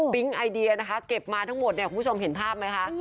ไอเดียนะคะเก็บมาทั้งหมดเนี่ยคุณผู้ชมเห็นภาพไหมคะ